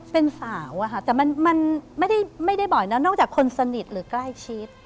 เป็นสาวอะค่ะแต่มันไม่ได้บ่อยนะนอกจากคนสนิทหรือใกล้ชิด